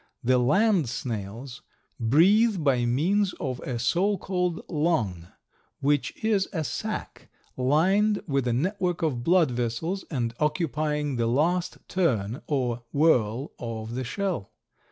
The land snails breathe by means of a so called lung which is a sac lined with a network of blood vessels and occupying the last turn or whorl of the shell.